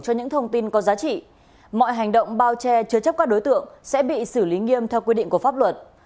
các đối tượng sẽ bị xử lý nghiêm theo quy định của pháp luật